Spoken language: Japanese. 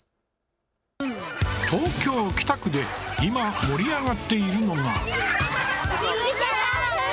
東京・北区で今、盛り上がっているのが。